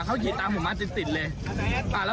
เขาขี่ตามผมมาจิ๊นู้